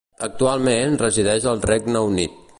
Actualment, resideix al Regne Unit.